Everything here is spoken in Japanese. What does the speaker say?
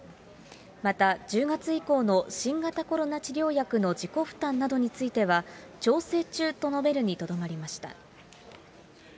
また、１０月以降の新型コロナ治療薬の自己負担などについては、調整中と述べるにとどまりました。